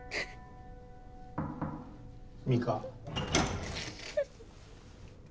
美香。